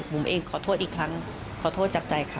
ผมเองขอโทษอีกครั้งขอโทษจากใจค่ะ